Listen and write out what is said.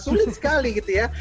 sulit sekali gitu ya